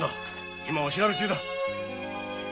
今お調べ中だ。